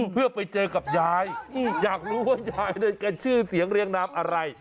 เพื่อไปเจอกับยายอยากรู้ว่ายายเนี่ยแกชื่อเสียงเรียงนามอะไร